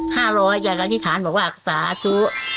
๕๐๐บาทอยากการอธิษฐานบอกว่าตาซุ